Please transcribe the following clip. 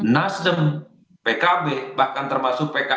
nasdem pkb bahkan termasuk pks